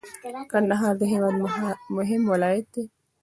کندهار د هیواد مهم ولایت دی.